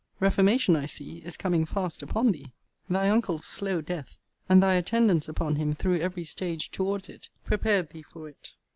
Reformation, I see, is coming fast upon thee. Thy uncle's slow death, and thy attendance upon him through every stage towards it, prepared thee for it.